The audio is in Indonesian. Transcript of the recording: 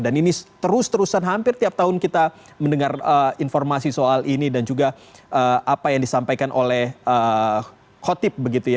ini terus terusan hampir tiap tahun kita mendengar informasi soal ini dan juga apa yang disampaikan oleh khotib